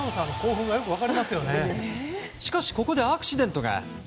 しかし、ここでアクシデントが。